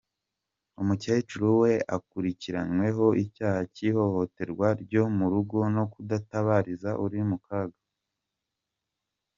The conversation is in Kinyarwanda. Umukecuru we akurikiranyweho icyaha cy’ ihohoterwa ryo mu rugo no kudatabariza uri mukaga.